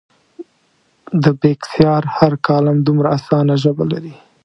د بېکسیار هر کالم دومره اسانه ژبه لري.